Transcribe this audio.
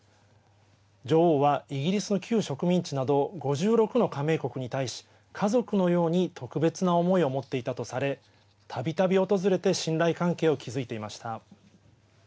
女王は、イギリスの旧植民地など５６の加盟国に対し家族のように特別な思いをもっていたとされたびたび訪れて信頼関係を築いていました。